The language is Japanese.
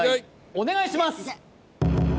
お願いします！